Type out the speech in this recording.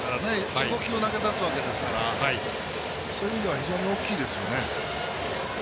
４５球を投げさせるわけですからそういう意味では非常に大きいですよね。